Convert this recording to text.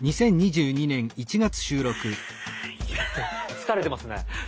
疲れてますね。